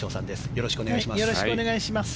よろしくお願いします。